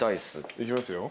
いきますよ。